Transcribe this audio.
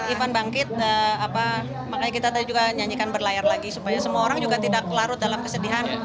ivan bangkit makanya kita tadi juga nyanyikan berlayar lagi supaya semua orang juga tidak larut dalam kesedihan